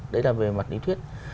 đấy là về mặt lý thuyết